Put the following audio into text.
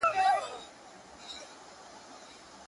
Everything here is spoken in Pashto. چي د ګډون په منظور هند ته لاړم